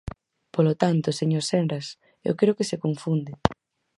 Polo tanto, señor Senras, eu creo que se confunde.